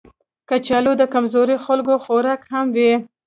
کچالو د کمزورو خلکو خوراک هم وي